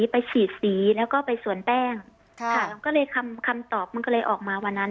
ไปฉีดสีแล้วก็ไปสวนแป้งค่ะมันก็เลยคำคำตอบมันก็เลยออกมาวันนั้น